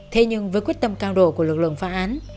thế nhưng với quyết tâm cao độ của lực lượng phá án